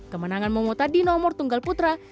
kemenangan mongota di nomor tunggal putra